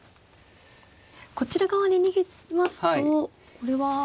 こちら側に逃げますとこれは。